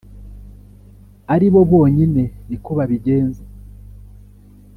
aribo bonyine ni ko babigenza.